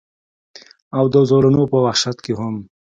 او د زولنو پۀ وحشت کښې هم